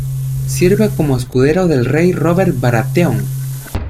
Sirve como escudero del rey Robert Baratheon.